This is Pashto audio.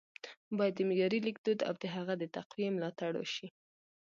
ـ بايد د معیاري لیکدود او د هغه د تقويې ملاتړ وشي